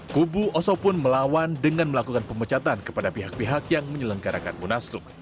kubu oso pun melawan dengan melakukan pemecatan kepada pihak pihak yang menyelenggarakan munaslup